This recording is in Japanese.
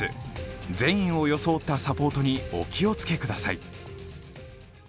善意を装ったサポートにお気をつけください。